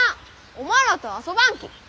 おまんらとは遊ばんき！